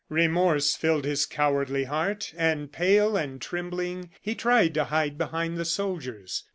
Remorse filled his cowardly heart, and pale and trembling, he tried to hide behind the soldiers.